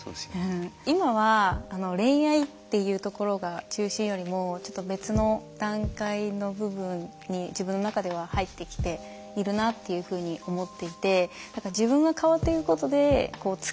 今は恋愛っていうところが中心よりもちょっと別の段階の部分に自分の中では入ってきているなっていうふうに思っていて。